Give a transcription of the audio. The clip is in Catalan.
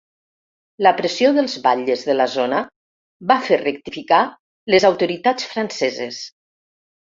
La pressió dels batlles de la zona va fer rectificar les autoritats franceses.